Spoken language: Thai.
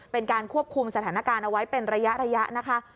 เป็นการควบคุมสถานการณ์เอาไว้เป็นระยะนะคะ